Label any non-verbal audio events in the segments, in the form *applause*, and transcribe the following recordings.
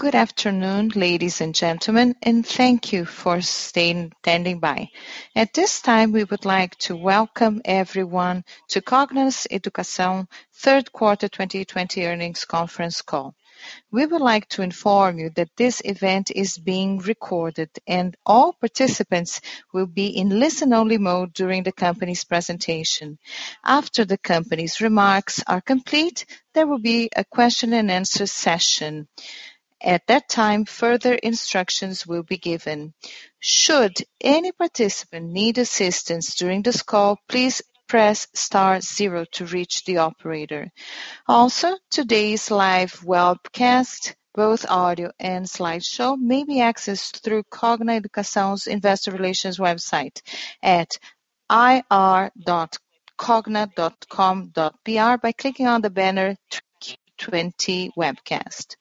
Good afternoon, ladies and gentlemen. Thank you for standing by. At this time, we would like to welcome everyone to Cogna Educação third quarter 2020 earnings conference call. We would like to inform you that this event is being recorded and all participants will be in listen-only mode during the company's presentation. After the company's remarks are complete, there will be a Q&A session. At that time, further instructions will be given. Should any participant need assistance during this call, please press star zero to reach the operator. Today's live webcast, both audio and slideshow, may be accessed through Cogna Educação Investor Relations website at ir.cogna.com.br by clicking on the banner 3Q20 webcast.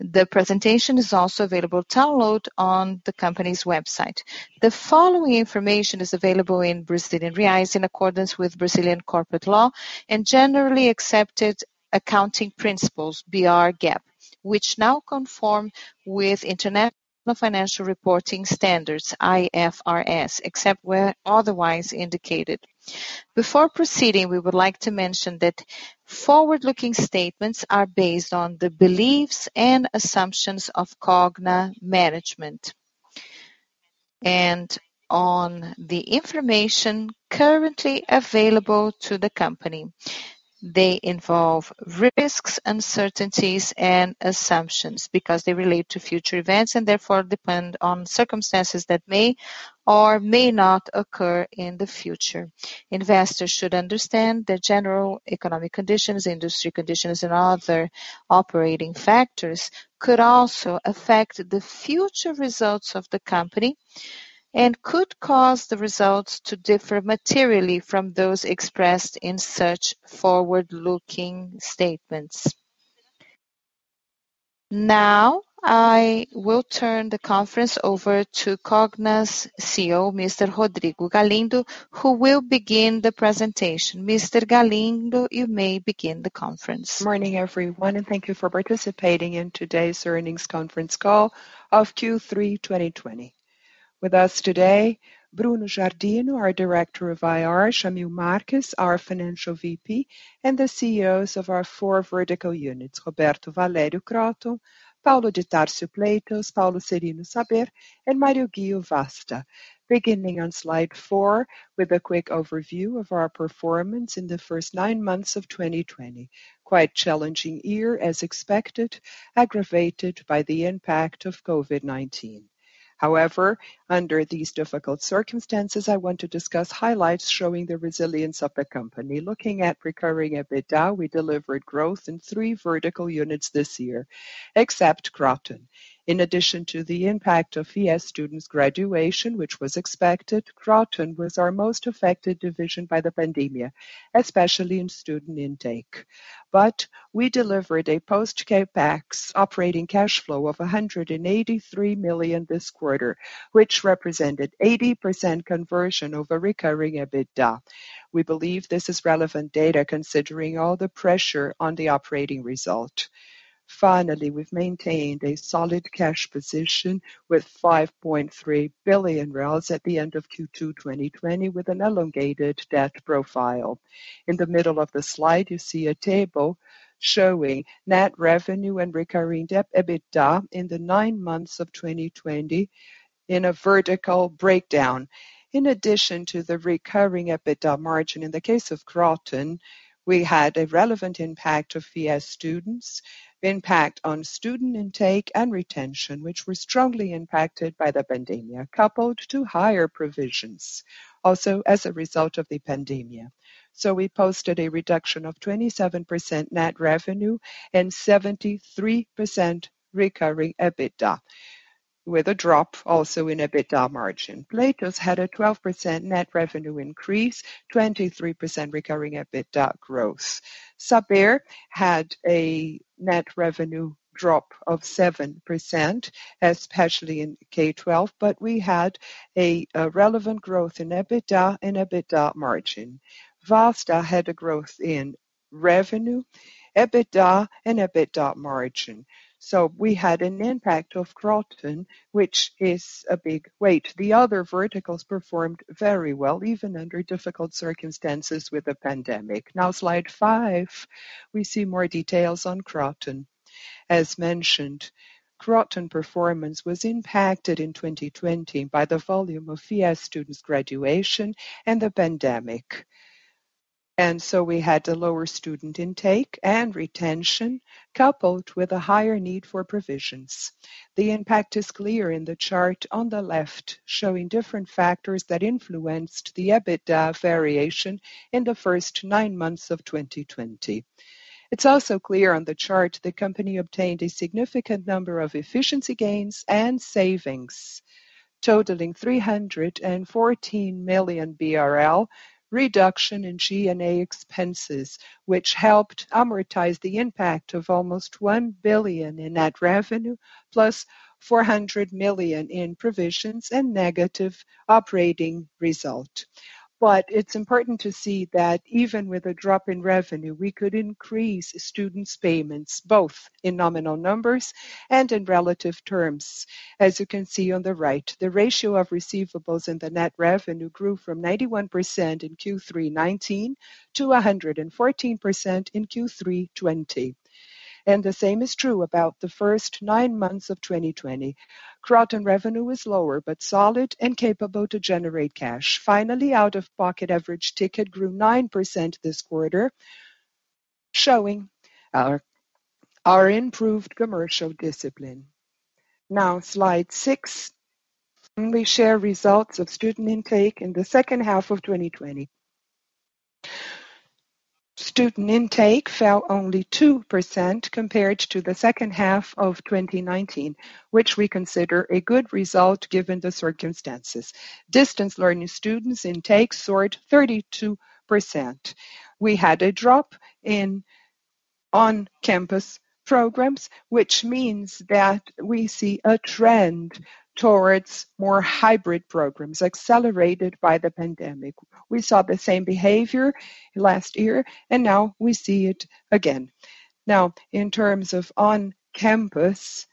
The presentation is also available to download on the company's website. The following information is available in Brazilian reais in accordance with Brazilian corporate law and Generally Accepted Accounting Principles, BR GAAP, which now conform with International Financial Reporting Standards, IFRS, except where otherwise indicated. Before proceeding, we would like to mention that forward-looking statements are based on the beliefs and assumptions of Cogna management and on the information currently available to the company. They involve risks, uncertainties, and assumptions because they relate to future events and therefore depend on circumstances that may or may not occur in the future. Investors should understand that general economic conditions, industry conditions, and other operating factors could also affect the future results of the company and could cause the results to differ materially from those expressed in such forward-looking statements. Now, I will turn the conference over to Cogna's CEO, Mr. Rodrigo Galindo, who will begin the presentation. Mr. Galindo, you may begin the conference. Morning, everyone, and thank you for participating in today's earnings conference call of Q3 2020. With us today, Bruno Giardino, our Director of IR, Jamil Marques, our Financial VP, and the CEOs of our four vertical units, Roberto Valério, Kroton, Paulo de Tarso, Platos, Paulo Serino, Saber, and Mario Ghio, Vasta. Beginning on Slide four with a quick overview of our performance in the first nine months of 2020. Quite challenging year as expected, aggravated by the impact of COVID-19. However, under these difficult circumstances, I want to discuss highlights showing the resilience of the company. Looking at recurring EBITDA, we delivered growth in three vertical units this year, except Kroton. In addition to the impact of FIES students' graduation, which was expected, Kroton was our most affected division by the pandemic, especially in student intake. We delivered a post-CapEx operating cash flow of 183 million this quarter, which represented 80% conversion of a recurring EBITDA. We believe this is relevant data considering all the pressure on the operating result. Finally, we've maintained a solid cash position with 5.3 billion at the end of Q2 2020 with an elongated debt profile. In the middle of the slide, you see a table showing net revenue and recurring debt EBITDA in the nine months of 2020 in a vertical breakdown. In addition to the recurring EBITDA margin in the case of Kroton, we had a relevant impact of FIES students, impact on student intake and retention, which were strongly impacted by the pandemic, coupled to higher provisions also as a result of the pandemic. We posted a reduction of 27% net revenue and 73% recurring EBITDA, with a drop also in EBITDA margin. Platos had a 12% net revenue increase, 23% recurring EBITDA growth. Saber had a net revenue drop of 7%, especially in K-12, but we had a relevant growth in EBITDA and EBITDA margin. Vasta had a growth in revenue, EBITDA, and EBITDA margin. We had an impact of Kroton, which is a big weight. The other verticals performed very well, even under difficult circumstances with the pandemic. Slide five, we see more details on Kroton. As mentioned, Kroton performance was impacted in 2020 by the volume of FIES students' graduation and the pandemic. We had a lower student intake and retention, coupled with a higher need for provisions. The impact is clear in the chart on the left, showing different factors that influenced the EBITDA variation in the first nine months of 2020. It's also clear on the chart the company obtained a significant number of efficiency gains and savings totaling 314 million BRL reduction in G&A expenses, which helped amortize the impact of almost 1 billion in net revenue, plus 400 million in provisions and negative operating result. It's important to see that even with a drop in revenue, we could increase students' payments, both in nominal numbers and in relative terms. As you can see on the right, the ratio of receivables in the net revenue grew from 91% in Q3 2019 to 114% in Q3 2020. The same is true about the first nine months of 2020. Current revenue is lower, but solid and capable to generate cash. Finally, out-of-pocket average ticket grew 9% this quarter, showing our improved commercial discipline. Slide six. We share results of student intake in the second half of 2020. Student intake fell only 2% compared to the second half of 2019, which we consider a good result given the circumstances. Distance learning students intake soared 32%. We had a drop in on-campus programs, which means that we see a trend towards more hybrid programs accelerated by the pandemic. We saw the same behavior last year, we see it again. In terms of on-campus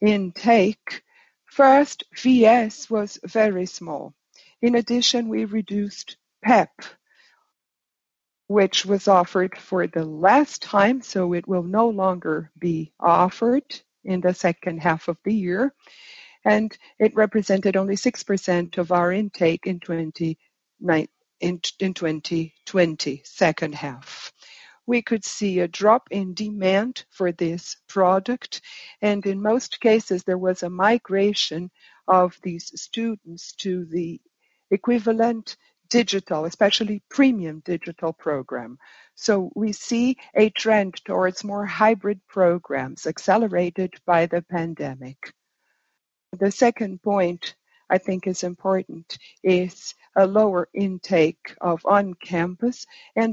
intake, first, V.S. was very small. In addition, we reduced PEP, which was offered for the last time, so it will no longer be offered in the second half of the year, and it represented only 6% of our intake in 2020 second half. We could see a drop in demand for this product, and in most cases, there was a migration of these students to the equivalent digital, especially premium digital program. We see a trend towards more hybrid programs accelerated by the pandemic. The second point I think is important is a lower intake of on-campus,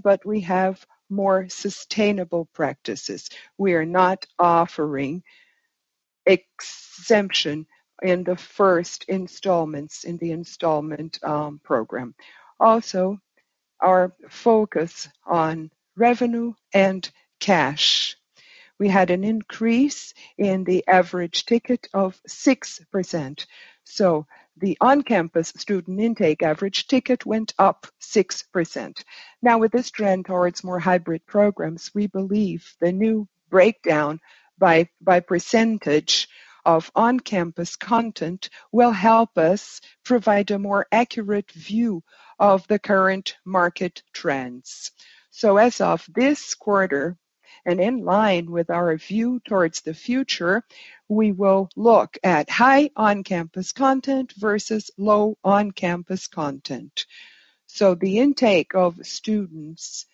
but we have more sustainable practices. We are not offering exemption in the first installments in the installment program. Also, our focus on revenue and cash. We had an increase in the average ticket of 6%. The on-campus student intake average ticket went up 6%. Now, with this trend towards more hybrid programs, we believe the new breakdown by percentage of on-campus content will help us provide a more accurate view of the current market trends. As of this quarter, and in line with our view towards the future, we will look at high on-campus content versus low on-campus content. The intake of students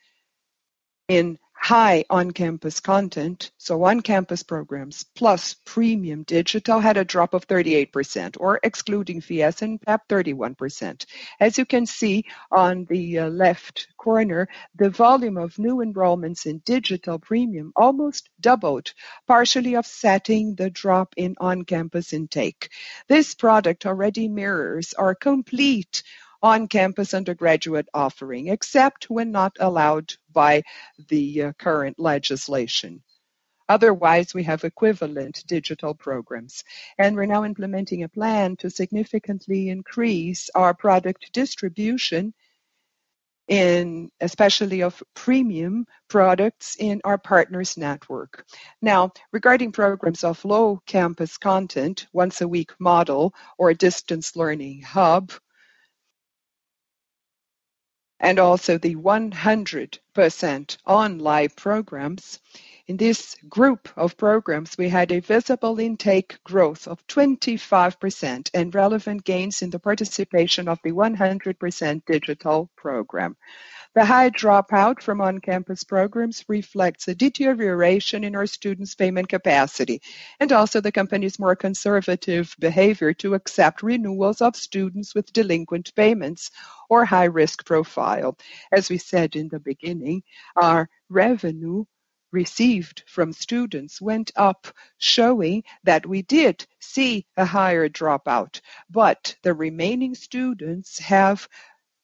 in high on-campus content, so on-campus programs plus premium digital, had a drop of 38%, or excluding V.S. and PEP, 31%. As you can see on the left corner, the volume of new enrollments in digital premium almost doubled, partially offsetting the drop in on-campus intake. This product already mirrors our complete on-campus undergraduate offering, except when not allowed by the current legislation. Otherwise, we have equivalent digital programs. We're now implementing a plan to significantly increase our product distribution, especially of premium products, in our partners' network. Regarding programs of low campus content, once-a-week model or a distance learning hub, and also the 100% online programs, in this group of programs, we had a visible intake growth of 25% and relevant gains in the participation of the 100% digital program. The high dropout from on-campus programs reflects a deterioration in our students' payment capacity, and also the company's more conservative behavior to accept renewals of students with delinquent payments or high risk profile. As we said in the beginning, our revenue received from students went up, showing that we did see a higher dropout. The remaining students have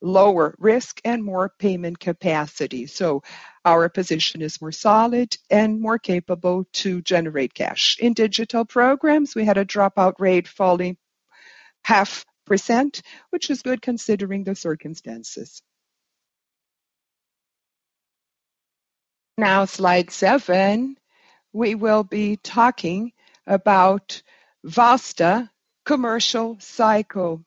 lower risk and more payment capacity, so our position is more solid and more capable to generate cash. In digital programs, we had a dropout rate falling 0.5%, which is good considering the circumstances. Slide seven, we will be talking about Vasta commercial cycle.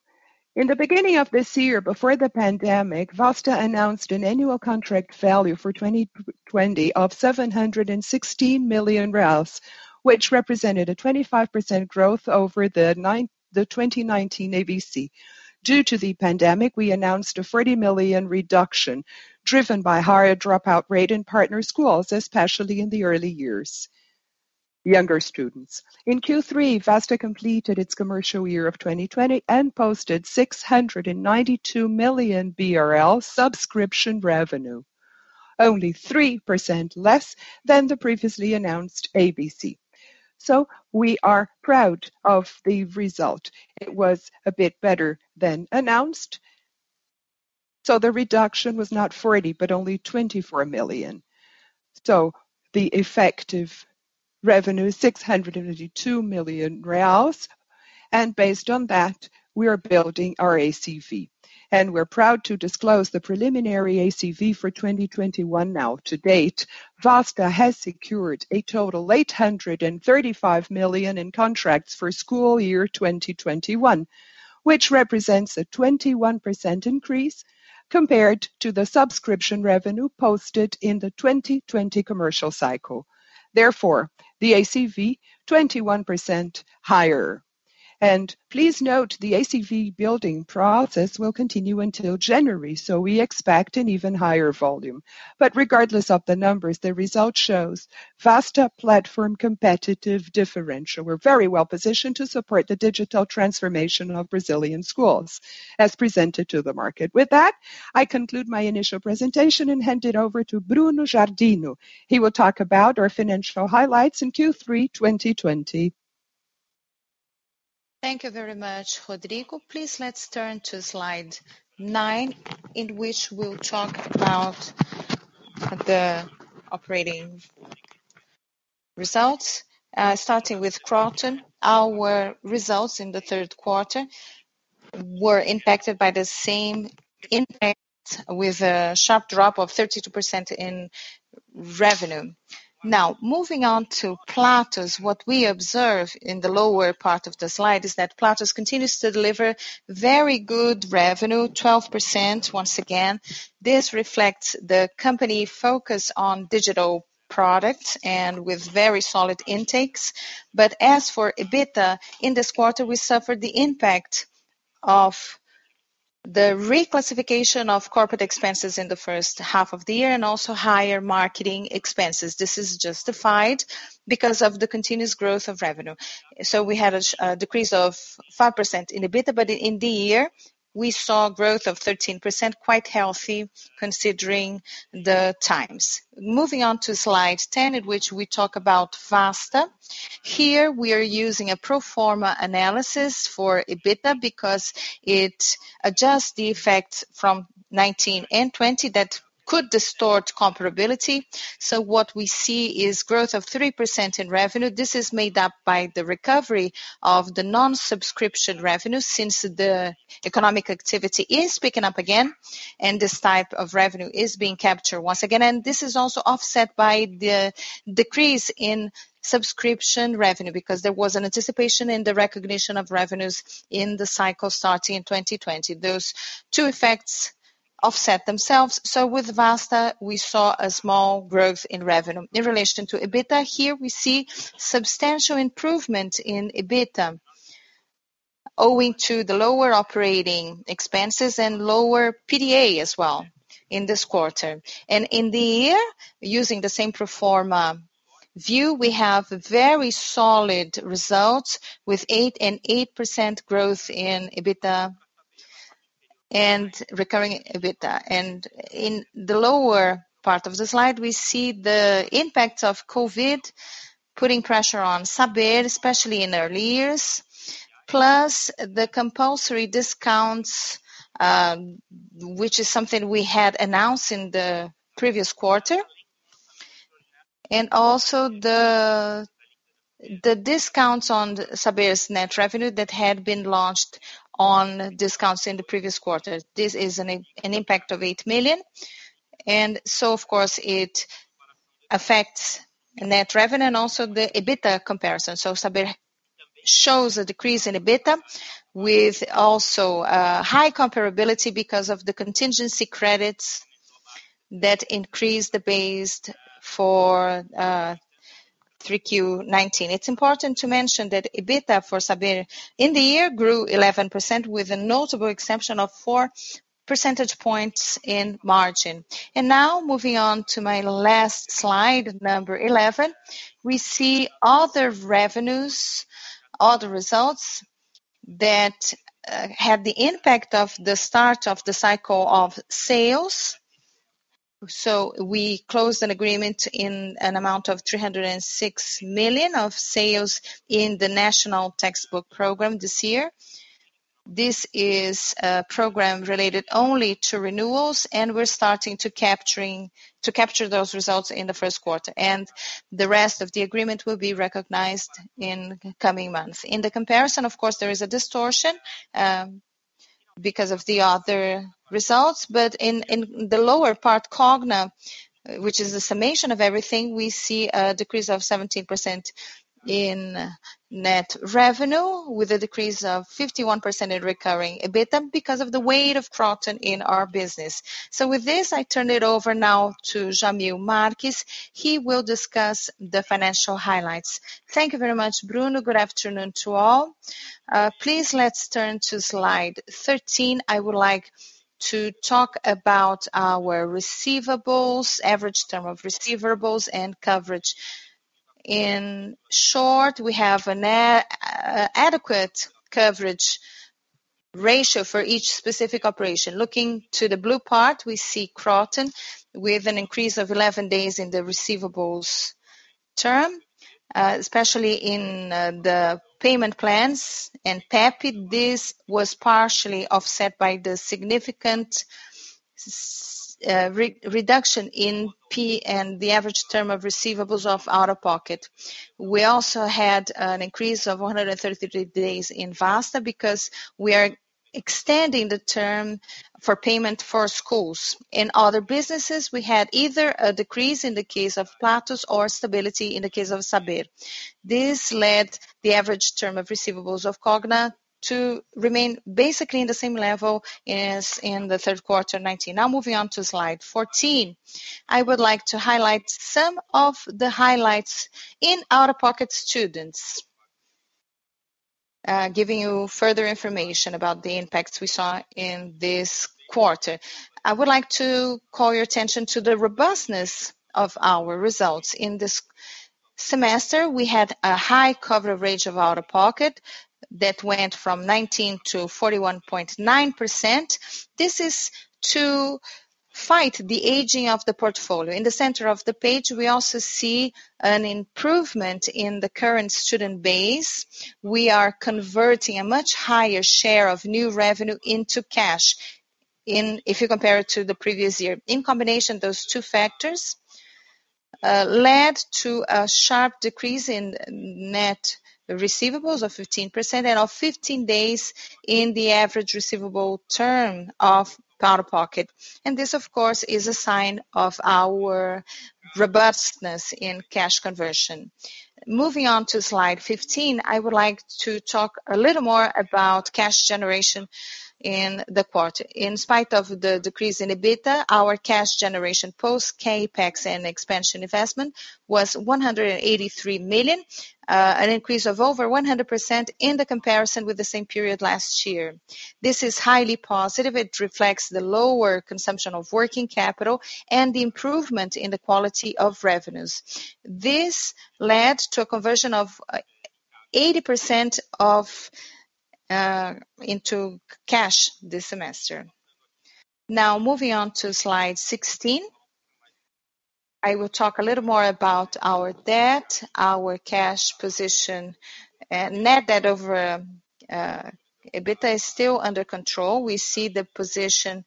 In the beginning of this year, before the pandemic, Vasta announced an annual contract value for 2020 of BRL 716 million, which represented a 25% growth over the 2019 ACV. Due to the pandemic, we announced a 40 million reduction, driven by higher dropout rate in partner schools, especially in the early years. Younger students. In Q3, Vasta completed its commercial year of 2020 and posted 692 million BRL subscription revenue, only 3% less than the previously announced ACV. We are proud of the result. It was a bit better than announced. The reduction was not 40 million, but only 24 million. The effective revenue is 692 million reais. Based on that, we are building our ACV. We're proud to disclose the preliminary ACV for 2021 now. To date, Vasta has secured a total 835 million in contracts for school year 2021, which represents a 21% increase compared to the subscription revenue posted in the 2020 commercial cycle. The ACV 21% higher. Please note the ACV building process will continue until January, so we expect an even higher volume. Regardless of the numbers, the result shows Vasta platform competitive differential. We're very well positioned to support the digital transformation of Brazilian schools as presented to the market. With that, I conclude my initial presentation and hand it over to Bruno Giardino. He will talk about our financial highlights in Q3 2020. Thank you very much, Rodrigo. Please, let's turn to Slide nine, in which we'll talk about the operating results. Starting with Kroton, our results in the third quarter were impacted by the same impact with a sharp drop of 32% in revenue. Moving on to Platos, what we observe in the lower part of the slide is that Platos continues to deliver very good revenue, 12% once again. This reflects the company focus on digital products and with very solid intakes. As for EBITDA, in this quarter, we suffered the impact of the reclassification of corporate expenses in the first half of the year and also higher marketing expenses. This is justified because of the continuous growth of revenue. We had a decrease of 5% in EBITDA, but in the year, we saw growth of 13%, quite healthy considering the times. Moving on to Slide 10, in which we talk about Vasta. Here we are using a pro forma analysis for EBITDA because it adjusts the effect from 2019 and 2020 that could distort comparability. What we see is growth of 3% in revenue. This is made up by the recovery of the non-subscription revenue since the economic activity is picking up again and this type of revenue is being captured once again. This is also offset by the decrease in subscription revenue because there was an anticipation in the recognition of revenues in the cycle starting in 2020. Those two effects offset themselves. With Vasta, we saw a small growth in revenue. In relation to EBITDA, here we see substantial improvement in EBITDA owing to the lower operating expenses and lower PDA as well in this quarter. In the year, using the same pro forma view, we have very solid results with 8% growth in EBITDA and recurring EBITDA. In the lower part of the slide, we see the impact of COVID putting pressure on Saber, especially in early years, plus the compulsory discounts, which is something we had announced in the previous quarter. Also the discounts on Saber's net revenue that had been launched on discounts in the previous quarter. This is an impact of 8 million. Of course it affects net revenue and also the EBITDA comparison. Saber shows a decrease in EBITDA with also high comparability because of the contingency credits that increase the base for 3Q 2019. It's important to mention that EBITDA for Saber in the year grew 11% with a notable exception of 4 percentage points in margin. Now moving on to my last Slide 11. We see other revenues, other results that had the impact of the start of the cycle of sales. We closed an agreement in an amount of 306 million of sales in the National Textbook Program this year. This is a program related only to renewals, and we're starting to capture those results in the first quarter. The rest of the agreement will be recognized in coming months. In the comparison, of course, there is a distortion because of the other results. In the lower part, Cogna, which is the summation of everything, we see a decrease of 17% in net revenue with a decrease of 51% in recurring EBITDA because of the weight of Kroton in our business. With this, I turn it over now to Jamil Marques. He will discuss the financial highlights. Thank you very much, Bruno. Good afternoon to all. Please let's turn to Slide 13. I would like to talk about our receivables, average term of receivables, and coverage. In short, we have an adequate coverage ratio for each specific operation. Looking to the blue part, we see Kroton with an increase of 11 days in the receivables term, especially in the payment plans and PEP. This was partially offset by the significant reduction in PMT and the average term of receivables of out-of-pocket. We also had an increase of 133 days in Vasta because we are extending the term for payment for schools. In other businesses, we had either a decrease in the case of Platos or stability in the case of Saber. This led the average term of receivables of Cogna to remain basically in the same level as in the third quarter 2019. Now moving on to Slide 14. I would like to highlight some of the highlights in out-of-pocket students, giving you further information about the impacts we saw in this quarter. I would like to call your attention to the robustness of our results. In this semester, we had a high coverage rate of out-of-pocket that went from 19% to 41.9%. This is to fight the aging of the portfolio. In the center of the page, we also see an improvement in the current student base. We are converting a much higher share of new revenue into cash, if you compare it to the previous year. In combination, those two factors led to a sharp decrease in net receivables of 15% and of 15 days in the average receivable term of out-of-pocket. This, of course, is a sign of our robustness in cash conversion. Moving on to Slide 15, I would like to talk a little more about cash generation in the quarter. In spite of the decrease in EBITDA, our cash generation post CapEx and expansion investment was 183 million, an increase of over 100% in the comparison with the same period last year. This is highly positive. It reflects the lower consumption of working capital and the improvement in the quality of revenues. This led to a conversion of 80% into cash this semester. Now moving on to Slide 16. I will talk a little more about our debt, our cash position. Net debt over EBITDA is still under control. We see the position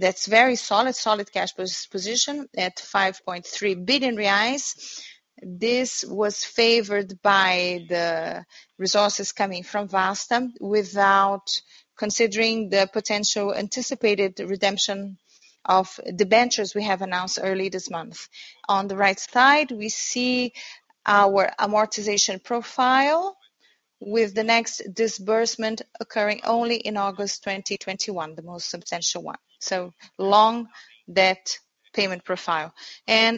that is very solid cash position at 5.3 billion reais. This was favored by the resources coming from Vasta, without considering the potential anticipated redemption of debentures we have announced early this month. On the right side, we see our amortization profile with the next disbursement occurring only in August 2021, the most substantial one. Long debt payment profile.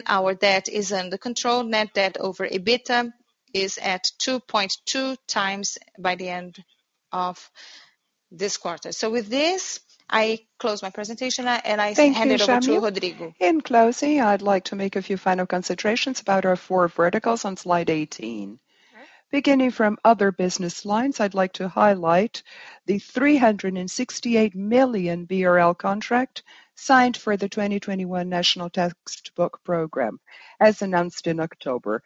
Our debt is under control. Net debt over EBITDA is at 2.2x by the end of this quarter. With this, I close my presentation and I hand it over to Rodrigo. Thank you, Jamil. In closing, I'd like to make a few final considerations about our four verticals on Slide 18. Beginning from other business lines, I'd like to highlight the 368 million BRL contract signed for the 2021 National Textbook Program, as announced in October.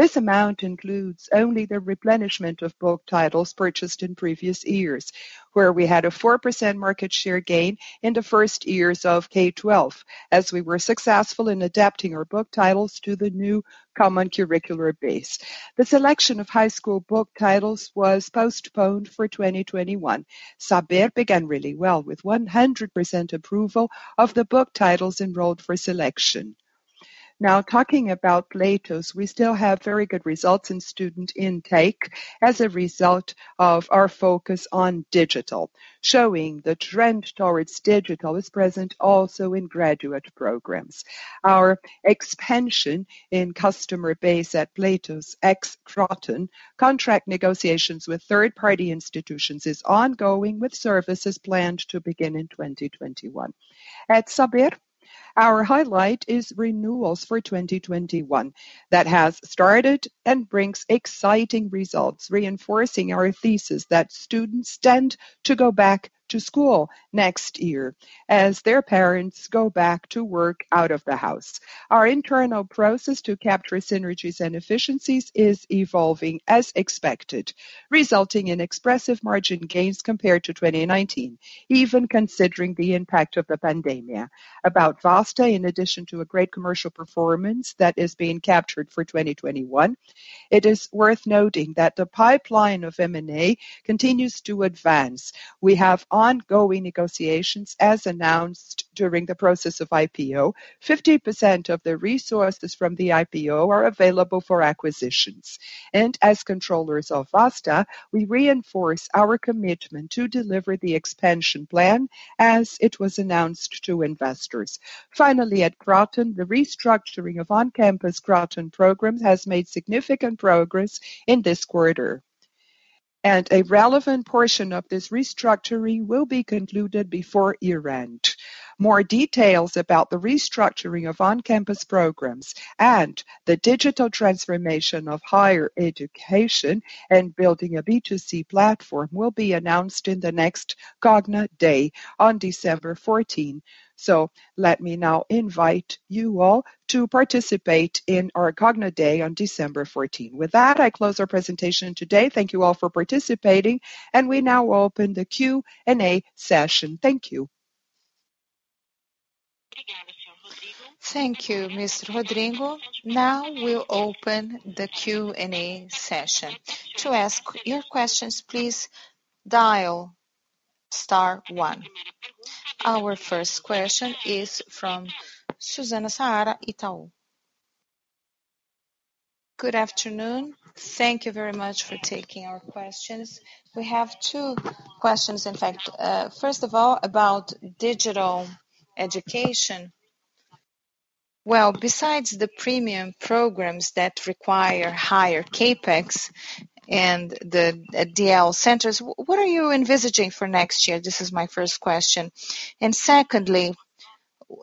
This amount includes only the replenishment of book titles purchased in previous years, where we had a 4% market share gain in the first years of K-12, as we were successful in adapting our book titles to the new common curricular base. The selection of high school book titles was postponed for 2021. Saber began really well, with 100% approval of the book titles enrolled for selection. Now, talking about Platos, we still have very good results in student intake as a result of our focus on digital, showing the trend towards digital is present also in graduate programs. Our expansion in customer base at Platos ex Kroton contract negotiations with third-party institutions is ongoing, with services planned to begin in 2021. At Saber, our highlight is renewals for 2021 that has started and brings exciting results, reinforcing our thesis that students tend to go back to school next year as their parents go back to work out of the house. Our internal process to capture synergies and efficiencies is evolving as expected, resulting in expressive margin gains compared to 2019, even considering the impact of the pandemia. About Vasta, in addition to a great commercial performance that is being captured for 2021, it is worth noting that the pipeline of M&A continues to advance. We have ongoing negotiations as announced during the process of IPO. 50% of the resources from the IPO are available for acquisitions. As controllers of Vasta, we reinforce our commitment to deliver the expansion plan as it was announced to investors. Finally, at Kroton, the restructuring of on-campus Kroton programs has made significant progress in this quarter. A relevant portion of this restructuring will be concluded before year-end. More details about the restructuring of on-campus programs and the digital transformation of higher education and building a B2C platform will be announced in the next Cogna Day on December 14. Let me now invite you all to participate in our Cogna Day on December 14. With that, I close our presentation today. Thank you all for participating, and we now open the Q&A session. Thank you. Thank you, Mr. Rodrigo. We'll open the Q&A session. To ask your questions, please dial star one. Our first question is from Susana Salaru, Itaú. Good afternoon. Thank you very much for taking our questions. We have two questions, in fact. First of all, about digital education. Besides the premium programs that require higher CapEx and the DL centers, what are you envisaging for next year? This is my first question. Secondly,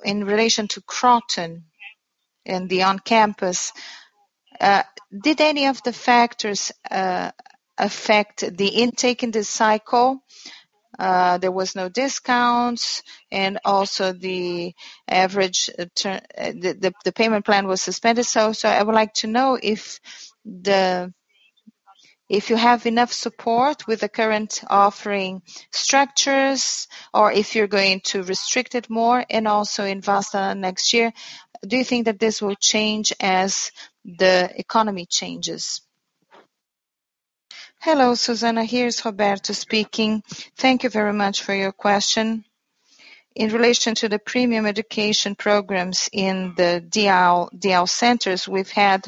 in relation to Kroton and the on-campus, did any of the factors affect the intake in this cycle? There was no discounts and also the payment plan was suspended. I would like to know if you have enough support with the current offering structures or if you're going to restrict it more and also invest next year. Do you think that this will change as the economy changes? Hello, Susana. Here's Roberto speaking. Thank you very much for your question. In relation to the premium education programs in the DL centers, we've had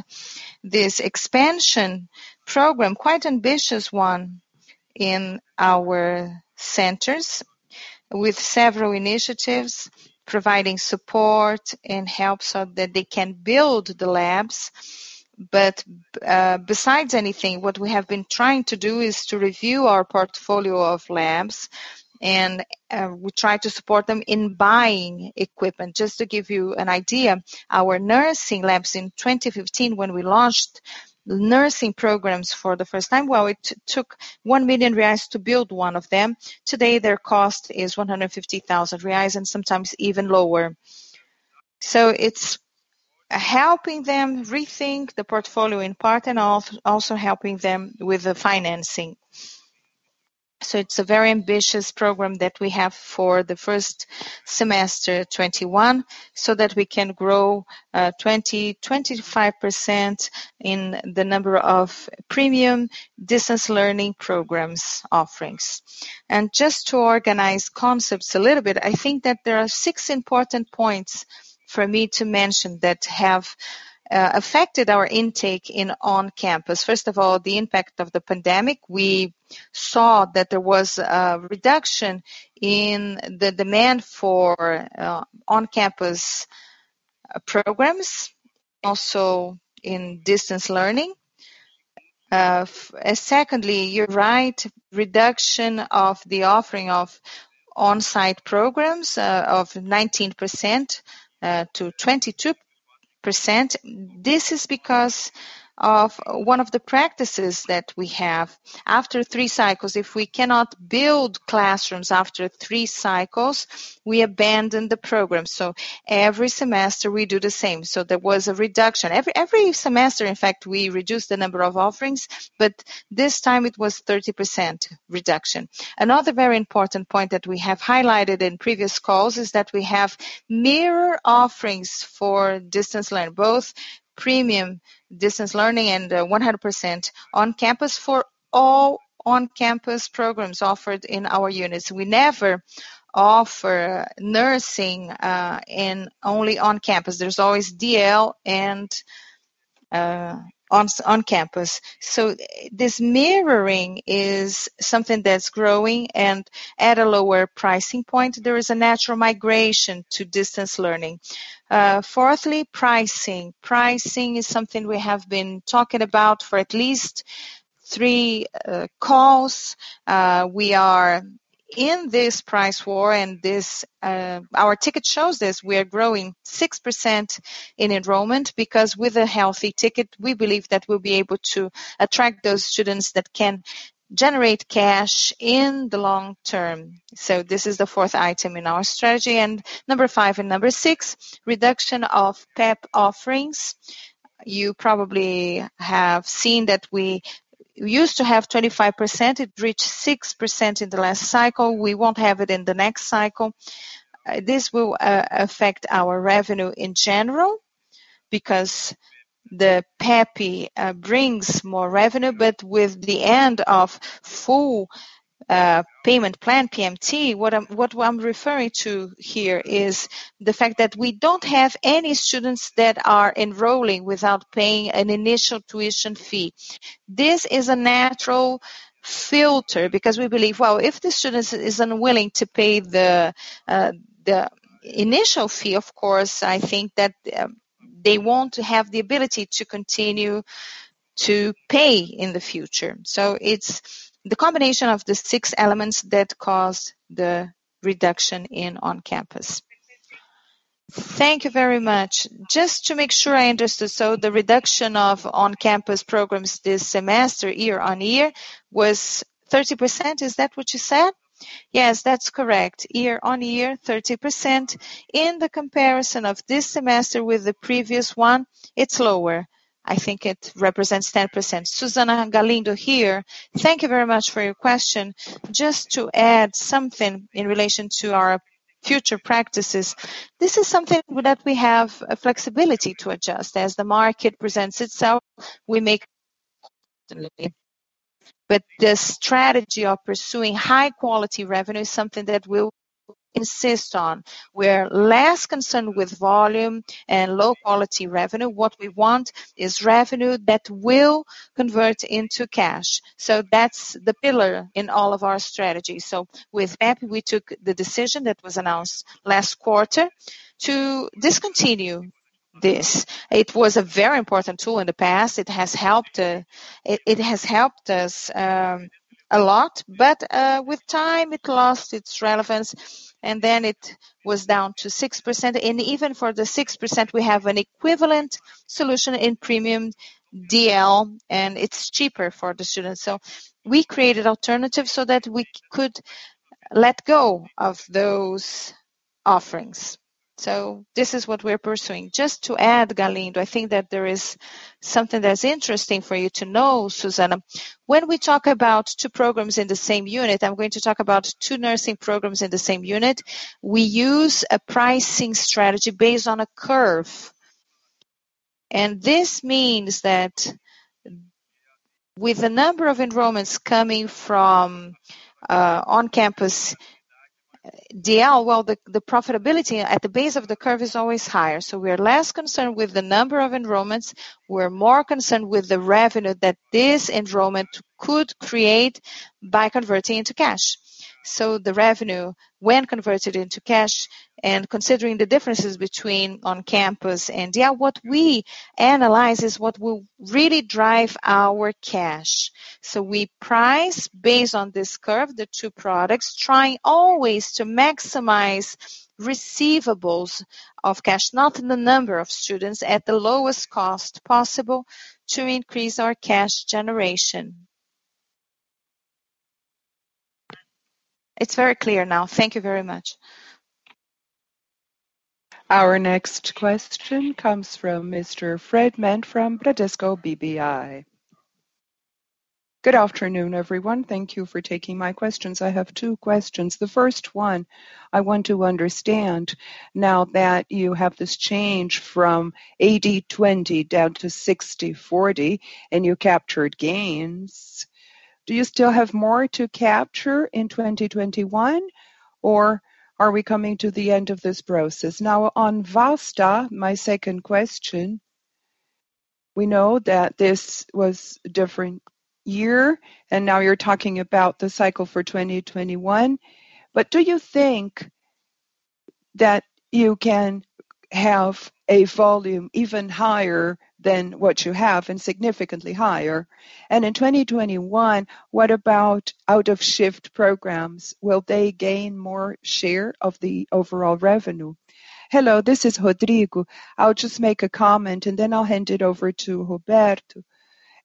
this expansion program, quite ambitious one in our centers with several initiatives providing support and help so that they can build the labs. Besides anything, what we have been trying to do is to review our portfolio of labs and we try to support them in buying equipment. Just to give you an idea, our nursing labs in 2015 when we launched nursing programs for the first time, while it took 1 million reais to build one of them. Today, their cost is 150,000 reais and sometimes even lower. It's helping them rethink the portfolio in part and also helping them with the financing. It's a very ambitious program that we have for the first semester 2021 so that we can grow 20%-25% in the number of premium distance learning programs offerings. Just to organize concepts a little bit, I think that there are six important points for me to mention that have affected our intake in on-campus. First of all, the impact of the pandemic. We saw that there was a reduction in the demand for on-campus programs, also in distance learning. You're right, reduction of the offering of on-site programs of 19% to 22%. This is because of one of the practices that we have. After three cycles, if we cannot build classrooms after three cycles, we abandon the program. Every semester we do the same. There was a reduction. Every semester, in fact, we reduce the number of offerings, this time it was 30% reduction. Another very important point that we have highlighted in previous calls is that we have mirror offerings for distance learning, both premium distance learning and 100% on campus for all on-campus programs offered in our units. We never offer nursing in only on campus. There's always DL and on campus. This mirroring is something that's growing and at a lower pricing point, there is a natural migration to distance learning. Pricing. Pricing is something we have been talking about for at least three calls. We are in this price war and our ticket shows this. We are growing 6% in enrollment because with a healthy ticket, we believe that we'll be able to attract those students that can generate cash in the long term. This is the fourth item in our strategy. Number five and number six, reduction of PEP offerings. You probably have seen that we used to have 25%. It reached 6% in the last cycle. We won't have it in the next cycle. This will affect our revenue in general because the PEP brings more revenue. With the end of full payment plan, PMT, what I'm referring to here is the fact that we don't have any students that are enrolling without paying an initial tuition fee. This is a natural filter because we believe, well, if the student is unwilling to pay the initial fee, of course, I think that they wont have the ability to continue to pay in the future. It is the combination of the six elements that caused the reduction in on-campus. Thank you very much. Just to make sure I understood, the reduction of on-campus programs this semester, year-on-year, was 30%, is that what you said? Yes, that's correct. Year-on-year, 30%. In the comparison of this semester with the previous one, it's lower. I think it represents 10%. Susana. Galindo here. Thank you very much for your question. Just to add something in relation to our future practices. This is something that we have flexibility to adjust. As the market presents itself, the strategy of pursuing high-quality revenue is something that we'll insist on. We're less concerned with volume and low-quality revenue. What we want is revenue that will convert into cash. That's the pillar in all of our strategies. With that, we took the decision that was announced last quarter to discontinue this. It was a very important tool in the past. It has helped us a lot. With time it lost its relevance and then it was down to 6%. Even for the 6%, we have an equivalent solution in premium DL and it's cheaper for the students. We created alternatives so that we could let go of those offerings. This is what we're pursuing. Just to add, Galindo, I think that there is something that's interesting for you to know, Susana. When we talk about two programs in the same unit, I'm going to talk about two nursing programs in the same unit. We use a pricing strategy based on a curve. This means that with the number of enrollments coming from on-campus DL, well, the profitability at the base of the curve is always higher. We are less concerned with the number of enrollments. We're more concerned with the revenue that this enrollment could create by converting to cash. The revenue when converted into cash and considering the differences between on-campus and DL, what we analyze is what will really drive our cash. We price based on this curve, the two products, trying always to maximize receivables of cash, not the number of students at the lowest cost possible to increase our cash generation. It's very clear now. Thank you very much. Our next question comes from Mr. Fred Mendes from Bradesco BBI. Good afternoon, everyone. Thank you for taking my questions. I have two questions. The first one I want to understand now that you have this change from 80/20 down to 60/40 and you captured gains, do you still have more to capture in 2021 or are we coming to the end of this process? On Vasta, my second question, we know that this was a different year and now you're talking about the cycle for 2021. Do you think that you can have a volume even higher than what you have and significantly higher? In 2021, what about out-of-shift programs? Will they gain more share of the overall revenue? Hello, this is Rodrigo. I'll just make a comment and then I'll hand it over to Roberto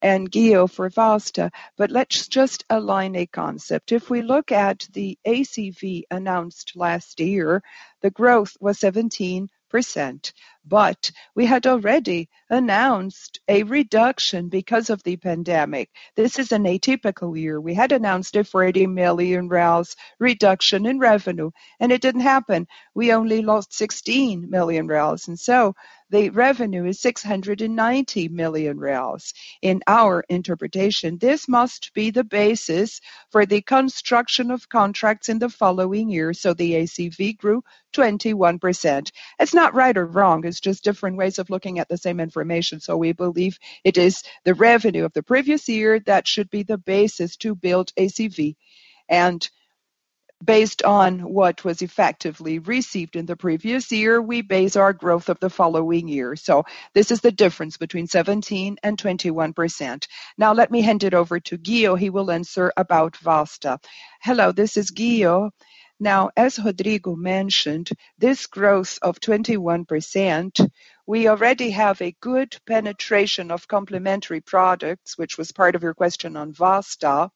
and Ghio for Vasta. Let's just align a concept. If we look at the ACV announced last year, the growth was 17%, but we had already announced a reduction because of the pandemic. This is an atypical year. We had announced a 40 million reduction in revenue and it didn't happen. We only lost 16 million and so the revenue is 690 million. In our interpretation, this must be the basis for the construction of contracts in the following year. The ACV grew 21%. It's not right or wrong, it's just different ways of looking at the same information. We believe it is the revenue of the previous year that should be the basis to build ACV. Based on what was effectively received in the previous year, we base our growth of the following year. This is the difference between 17% and 21%. Now let me hand it over to Ghio. He will answer about Vasta. Hello, this is Ghio. As Rodrigo mentioned, this growth of 21%, we already have a good penetration of complementary products, which was part of your question on Vasta.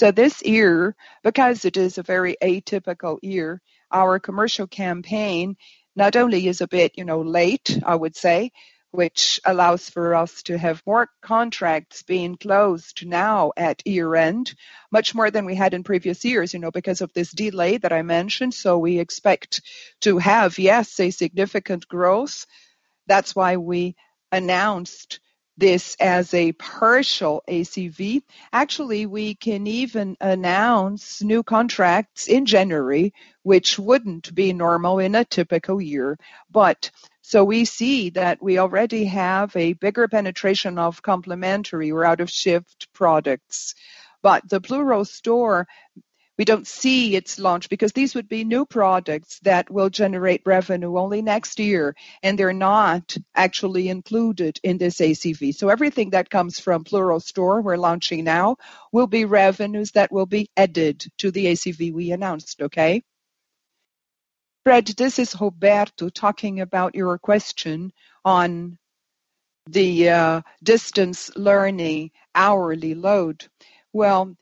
This year, because it is a very atypical year, our commercial campaign not only is a bit late, I would say, which allows for us to have more contracts being closed now at year-end, much more than we had in previous years because of this delay that I mentioned. We expect to have, yes, a significant growth. That's why we announced this as a partial ACV. Actually, we can even announce new contracts in January, which wouldn't be normal in a typical year. We see that we already have a bigger penetration of complementary or out-of-shift products. The Plurall Store, we don't see its launch because these would be new products that will generate revenue only next year, and they're not actually included in this ACV. Everything that comes from Plurall Store we're launching now will be revenues that will be added to the ACV we announced, okay? Fred, this is Roberto talking about your question on the distance learning hourly load. Well,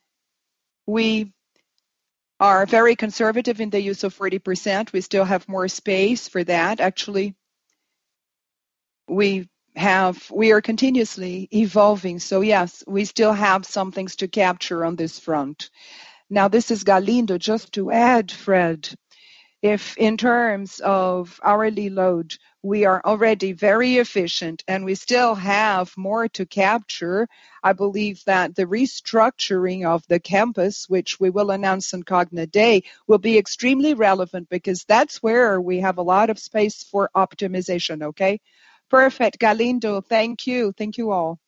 we are very conservative in the use of 40%. We still have more space for that. Actually, we are continuously evolving. Yes, we still have some things to capture on this front. Now, this is Galindo. Just to add, Fred, if in terms of hourly load, we are already very efficient and we still have more to capture. I believe that the restructuring of the campus, which we will announce on Cogna Day, will be extremely relevant because that's where we have a lot of space for optimization. Okay? Perfect, Galindo. Thank you. Thank you all.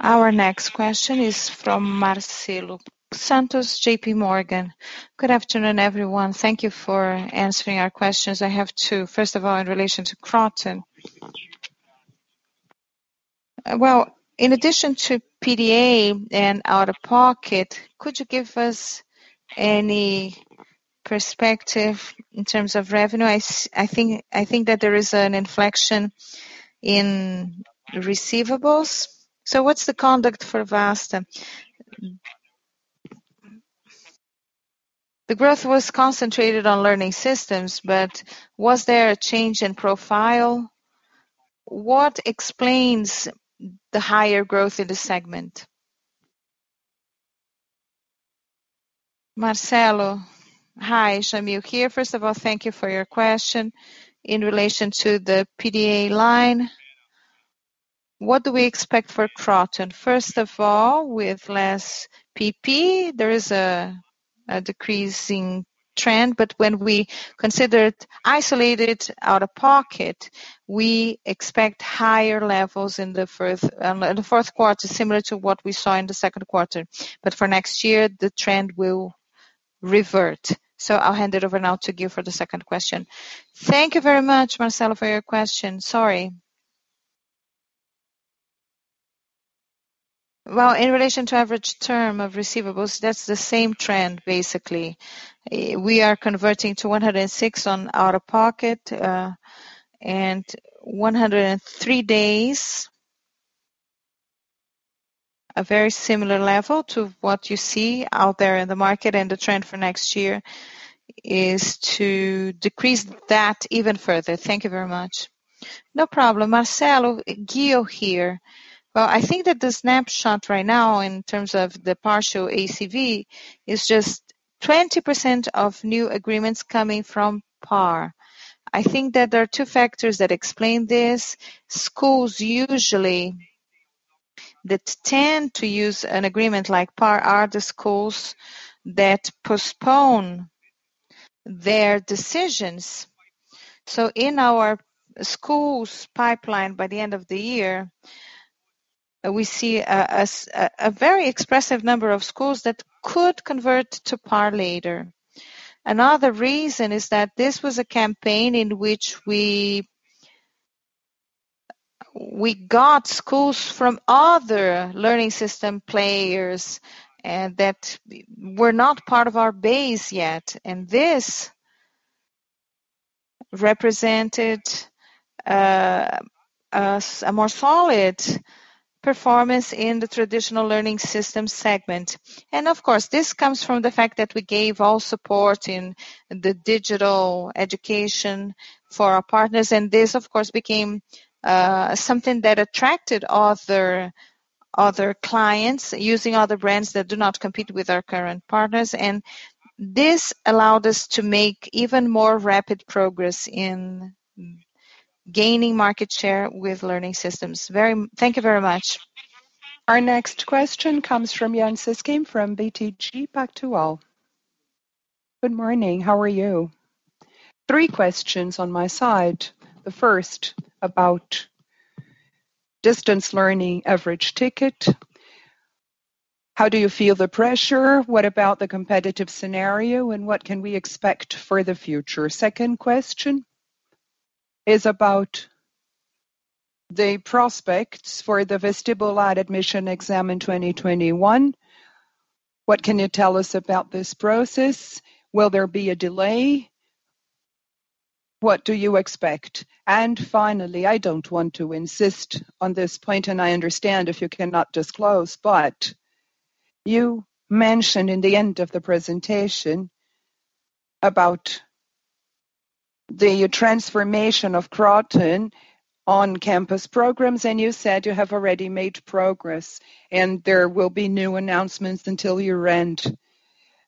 Our next question is from Marcelo Santos, JPMorgan. Good afternoon, everyone. Thank you for answering our questions. I have two. First of all, in relation to Kroton. Well, in addition to PDA and out-of-pocket, could you give us any perspective in terms of revenue? I think that there is an inflection in receivables. What's the conduct for Vasta? The growth was concentrated on learning systems, was there a change in profile? What explains the higher growth in the segment? Marcelo. Hi, Jamil here. First of all, thank you for your question. In relation to the PDA line, what do we expect for Kroton? First of all, with less PEP, there is a decreasing trend. When we consider isolated out-of-pocket, we expect higher levels in the fourth quarter, similar to what we saw in the second quarter. For next year, the trend will revert. I'll hand it over now to Ghio for the second question. Thank you very much, Marcelo, for your question. Sorry. Well, in relation to average term of receivables, that's the same trend, basically. We are converting to 106 on out-of-pocket, and 103 days. A very similar level to what you see out there in the market, and the trend for next year is to decrease that even further. Thank you very much. No problem. Marcelo. Ghio here. Well, I think that the snapshot right now, in terms of the partial ACV, is just 20% of new agreements coming from PAR. I think that there are two factors that explain this. Schools usually that tend to use an agreement like PAR are the schools that postpone their decisions. In our schools pipeline, by the end of the year, we see a very expressive number of schools that could convert to PAR later. Another reason is that this was a campaign in which we got schools from other learning system players that were not part of our base yet. This represented a more solid performance in the traditional learning system segment. Of course, this comes from the fact that we gave all support in the digital education for our partners. This, of course, became something that attracted other clients using other brands that do not compete with our current partners. This allowed us to make even more rapid progress in gaining market share with learning systems. Thank you very much. Our next question comes from Yan Cesquim from BTG Pactual. Good morning. How are you? Three questions on my side. The first about distance learning average ticket. How do you feel the pressure? What about the competitive scenario, and what can we expect for the future? Second question is about the prospects for the Vestibular admission exam in 2021. What can you tell us about this process? Will there be a delay? What do you expect? Finally, I don't want to insist on this point, and I understand if you cannot disclose, but you mentioned in the end of the presentation about the transformation of Kroton on-campus programs, and you said you have already made progress and there will be new announcements until year-end.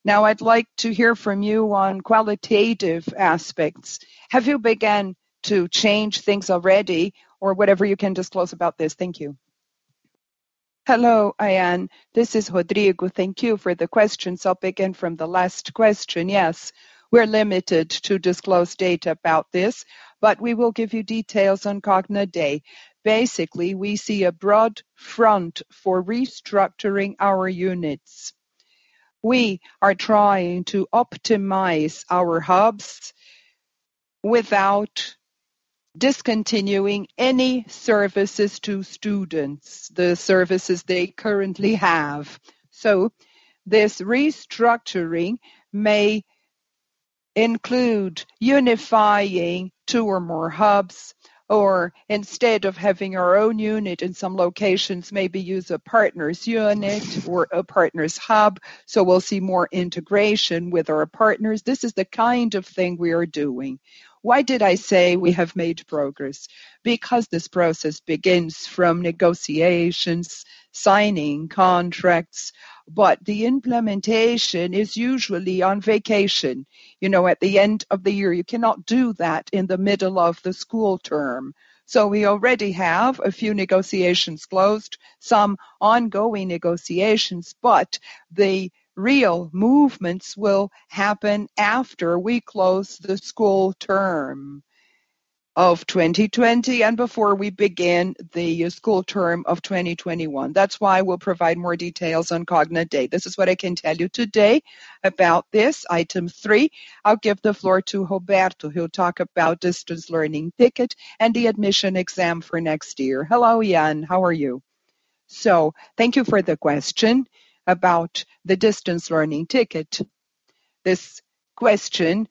Now, I'd like to hear from you on qualitative aspects. Have you begun to change things already or whatever you can disclose about this? Thank you. Hello, Yan. This is Rodrigo. Thank you for the questions. I'll begin from the last question. Yes, we're limited to disclose data about this. We will give you details on Cogna Day. We see a broad front for restructuring our units. We are trying to optimize our hubs without discontinuing any services to students, the services they currently have. This restructuring may include unifying two or more hubs, or instead of having our own unit in some locations, maybe use a partner's unit or a partner's hub. We'll see more integration with our partners. This is the kind of thing we are doing. Why did I say we have made progress? This process begins from negotiations, signing contracts. The implementation is usually on vacation. At the end of the year, you cannot do that in the middle of the school term. We already have a few negotiations closed, some ongoing negotiations, but the real movements will happen after we close the school term of 2020 and before we begin the school term of 2021. That's why we'll provide more details on Cogna Day. This is what I can tell you today about this item three. I'll give the floor to Roberto. He'll talk about distance learning ticket and the admission exam for next year. Hello, Yan. How are you? Thank you for the question about the distance learning ticket. This question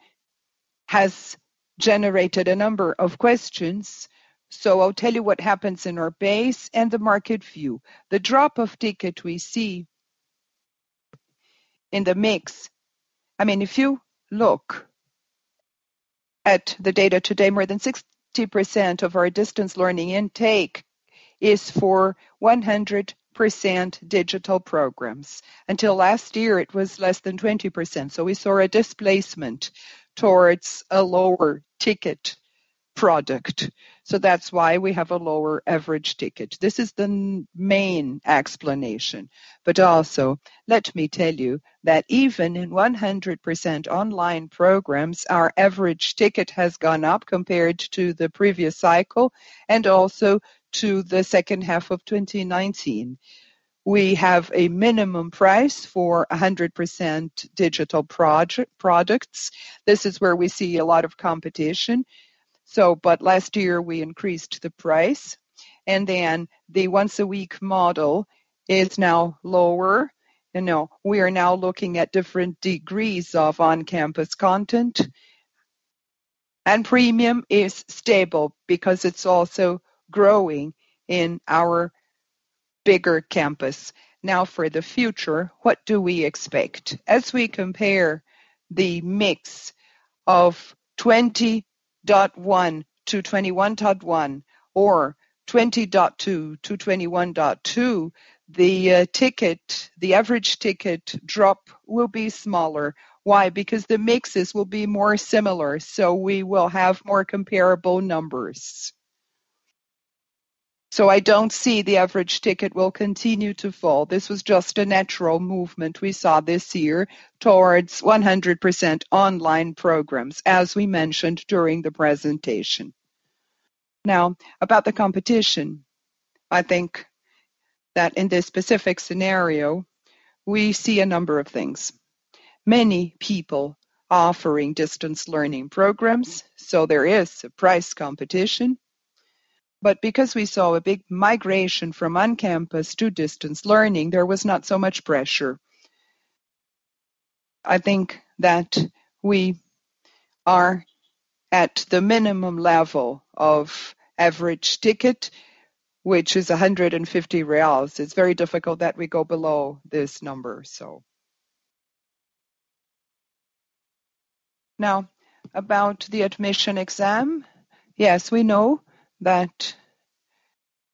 has generated a number of questions. I'll tell you what happens in our base and the market view. The drop of ticket we see in the mix. If you look at the data today, more than 60% of our distance learning intake is for 100% digital programs. Until last year, it was less than 20%. We saw a displacement towards a lower ticket product. That's why we have a lower average ticket. This is the main explanation. Also, let me tell you that even in 100% online programs, our average ticket has gone up compared to the previous cycle and also to the second half of 2019. We have a minimum price for 100% digital products. This is where we see a lot of competition. Last year, we increased the price, the once-a-week model is now lower. We are now looking at different degrees of on-campus content. Premium is stable because it's also growing in our bigger campus. For the future, what do we expect? As we compare the mix of 20.1 to 21.1 or 20.2 to 21.2, the average ticket drop will be smaller. Why? The mixes will be more similar, we will have more comparable numbers. I don't see the average ticket will continue to fall. This was just a natural movement we saw this year towards 100% online programs, as we mentioned during the presentation. About the competition. I think that in this specific scenario, we see a number of things. Many people offering distance learning programs, there is a price competition. Because we saw a big migration from on campus to distance learning, there was not so much pressure. I think that we are at the minimum level of average ticket, which is 150 reais. It's very difficult that we go below this number. About the admission exam. Yes, we know that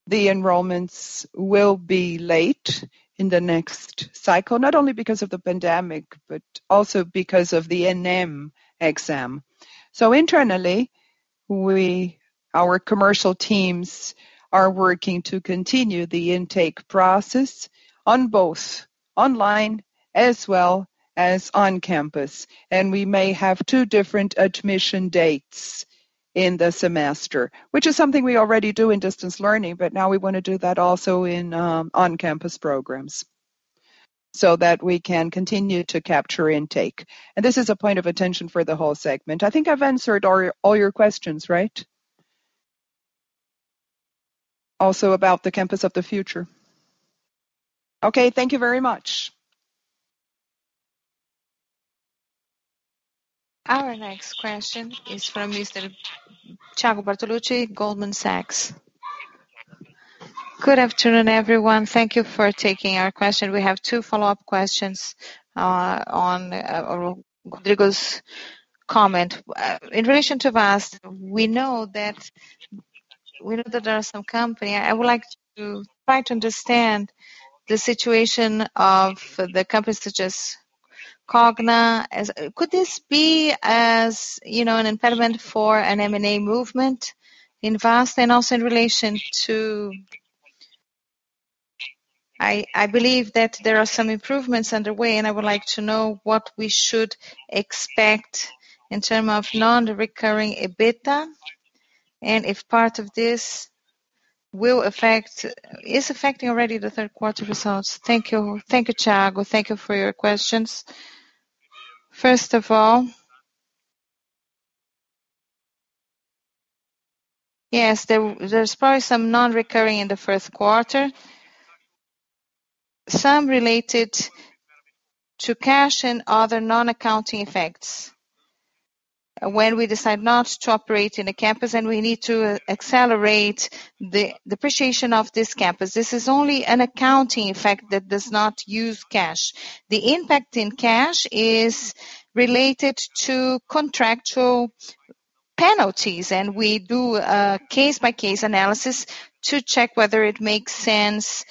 the enrollments will be late in the next cycle. Not only because of the pandemic, but also because of the ENEM exam. Internally, our commercial teams are working to continue the intake process on both online as well as on campus. We may have two different admission dates in the semester, which is something we already do in distance learning, but now we want to do that also in on-campus programs so that we can continue to capture intake. This is a point of attention for the whole segment. I think I've answered all your questions, right? Also about the campus of the future. Okay, thank you very much. Our next question is from Mr. Thiago Bortoluci, Goldman Sachs. Good afternoon, everyone. Thank you for taking our question. We have two follow-up questions on Rodrigo's comment. In relation to Vasta, we know that *audio distortion* I would like to try to understand the situation of the companies such as Cogna. Could this be as an impediment for an M&A movement in Vasta? I believe that there are some improvements underway, and I would like to know what we should expect in terms of non-recurring EBITDA, and if part of this will affect, is affecting already the third quarter results. Thank you, Thiago. Thank you for your questions. First of all, yes, there's probably some non-recurring in the first quarter, some related to cash and other non-accounting effects. When we decide not to operate in a campus, and we need to accelerate the depreciation of this campus. This is only an accounting effect that does not use cash. The impact in cash is related to contractual penalties, and we do a case-by-case analysis to check whether it makes sense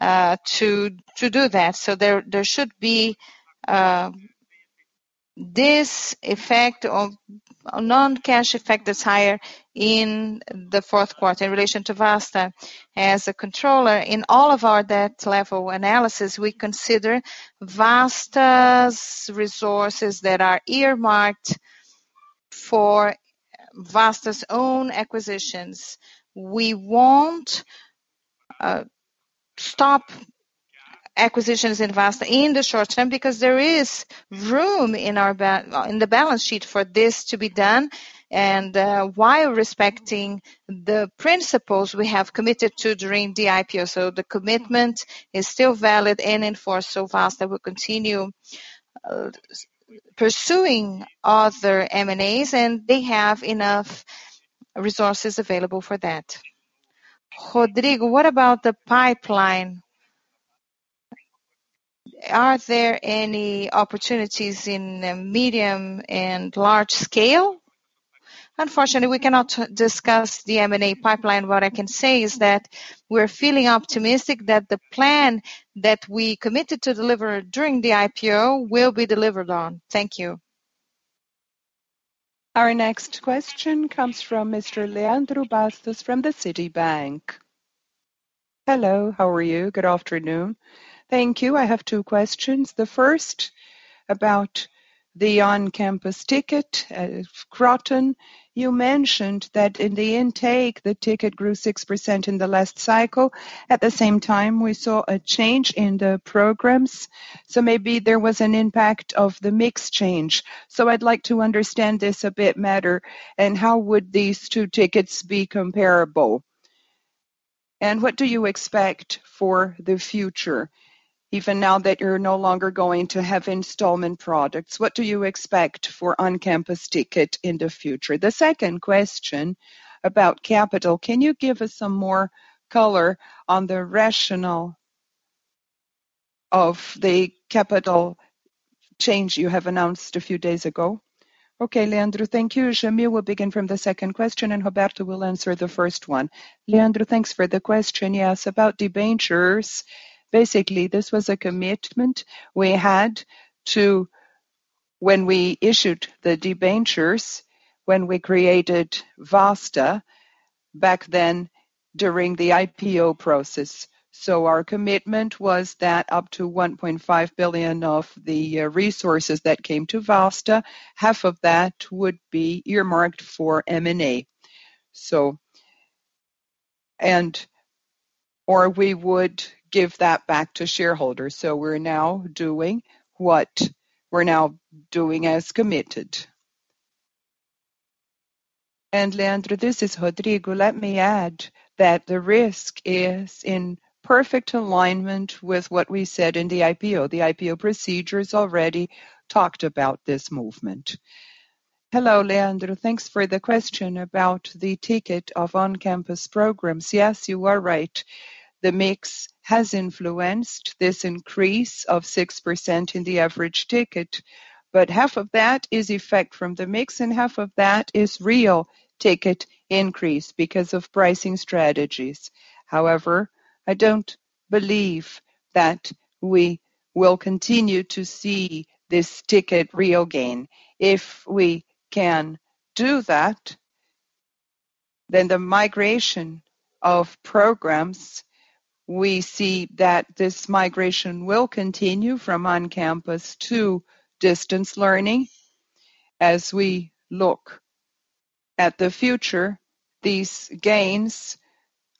to do that. There should be this effect of a non-cash effect that's higher in the fourth quarter in relation to Vasta. As a controller, in all of our debt level analysis, we consider Vasta's resources that are earmarked for Vasta's own acquisitions. We won't stop acquisitions in Vasta in the short term because there is room in the balance sheet for this to be done and while respecting the principles we have committed to during the IPO. The commitment is still valid and in force. Vasta will continue pursuing other M&As, and they have enough resources available for that. Rodrigo, what about the pipeline? Are there any opportunities in medium and large scale? Unfortunately, we cannot discuss the M&A pipeline. What I can say is that we're feeling optimistic that the plan that we committed to deliver during the IPO will be delivered on. Thank you. Our next question comes from Mr. Leandro Bastos from the Citibank. Hello, how are you? Good afternoon. Thank you. I have two questions. The first about the on-campus ticket, Kroton. You mentioned that in the intake, the ticket grew 6% in the last cycle. At the same time, we saw a change in the programs. Maybe there was an impact of the mix change. I'd like to understand this a bit better. How would these two tickets be comparable? What do you expect for the future, even now that you're no longer going to have installment products? What do you expect for on-campus ticket in the future? The second question about capital. Can you give us some more color on the rationale of the capital change you have announced a few days ago? Okay, Leandro. Thank you. Jamil will begin from the second question, and Roberto will answer the first one. Leandro, thanks for the question. Yes, about debentures. Basically, this was a commitment we had to when we issued the debentures, when we created Vasta back then during the IPO process. Our commitment was that up to 1.5 billion of the resources that came to Vasta, half of that would be earmarked for M&A. We would give that back to shareholders. We're now doing what we're now doing as committed. Leandro, this is Rodrigo. Let me add that this is in perfect alignment with what we said in the IPO. The IPO procedures already talked about this movement. Hello, Leandro. Thanks for the question about the ticket of on-campus programs. Yes, you are right. The mix has influenced this increase of 6% in the average ticket. Half of that is effect from the mix, and half of that is real ticket increase because of pricing strategies. However, I don't believe that we will continue to see this ticket real gain. If we can do that, then the migration of programs, we see that this migration will continue from on campus to distance learning. As we look at the future, these gains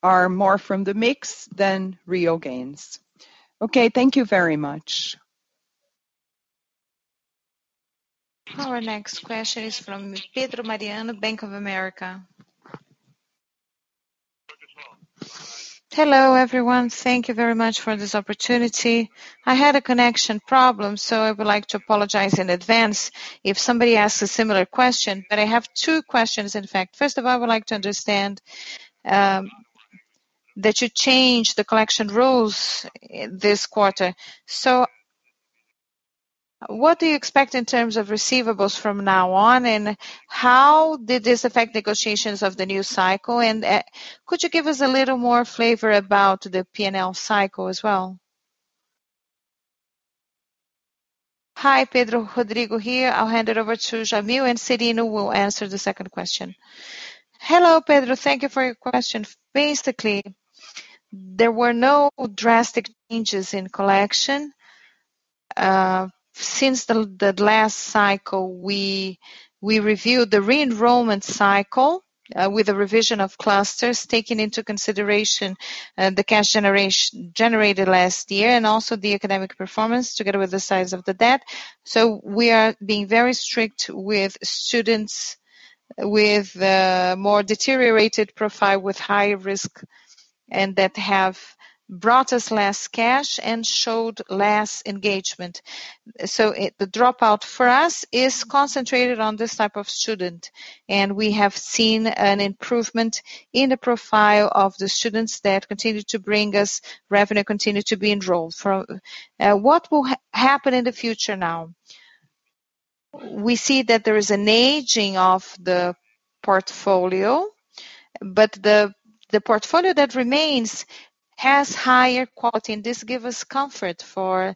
are more from the mix than real gains. Okay, thank you very much. Our next question is from Pedro Mariani, Bank of America. Hello, everyone. Thank you very much for this opportunity. I had a connection problem, so I would like to apologize in advance if somebody asks a similar question, but I have two questions, in fact. First of all, I would like to understand that you changed the collection rules this quarter. What do you expect in terms of receivables from now on, and how did this affect negotiations of the new cycle? Could you give us a little more flavor about the P&L cycle as well? Hi, Pedro. Rodrigo here. I'll hand it over to Jamil, and Serino will answer the second question. Hello, Pedro. Thank you for your question. Basically, there were no drastic changes in collection. Since the last cycle, we reviewed the re-enrollment cycle with a revision of clusters taking into consideration the cash generated last year and also the academic performance together with the size of the debt. We are being very strict with students with more deteriorated profile, with high risk, and that have brought us less cash and showed less engagement. The dropout for us is concentrated on this type of student, and we have seen an improvement in the profile of the students that continue to bring us revenue, continue to be enrolled. What will happen in the future now? We see that there is an aging of the portfolio, but the portfolio that remains has higher quality, and this give us comfort for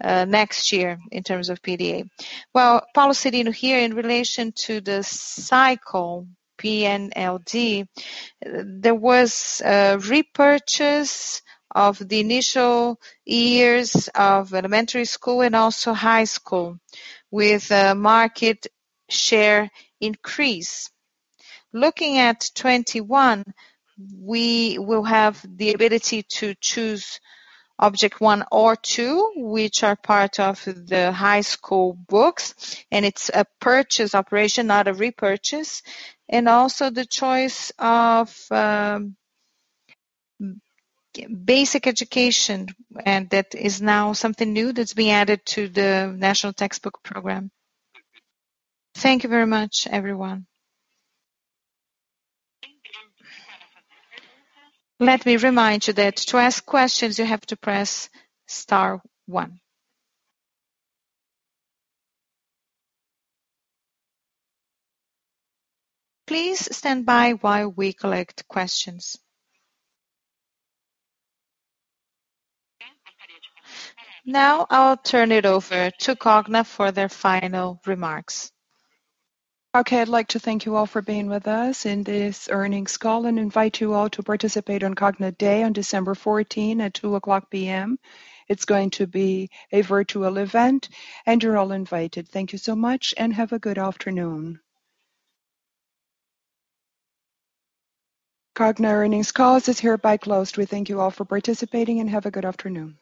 next year in terms of PDA. Well, Paulo Serino here in relation to the cycle PNLD, there was a repurchase of the initial years of elementary school and also high school with a market share increase. Looking at 2021, we will have the ability to choose object one or two, which are part of the high school books, and it's a purchase operation, not a repurchase, and also the choice of basic education, and that is now something new that's being added to the National Textbook Program. Thank you very much, everyone. Let me remind you that to ask questions, you have to press star one. Please stand by while we collect questions. Now I'll turn it over to Cogna for their final remarks. Okay. I'd like to thank you all for being with us in this earnings call and invite you all to participate on Cogna Day on December 14 at 2:00 P.M. It's going to be a virtual event, and you're all invited. Thank you so much and have a good afternoon. Cogna earnings calls is hereby closed. We thank you all for participating and have a good afternoon.